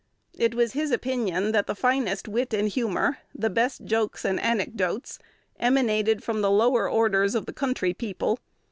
It was his opinion that the finest wit and humor, the best jokes and anecdotes, emanated from the lower orders of the country people.